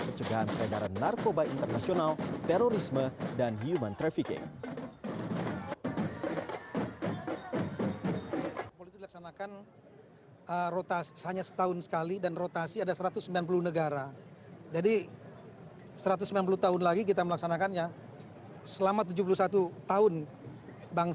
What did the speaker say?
pencegahan peredaran narkoba internasional terorisme dan human trafficking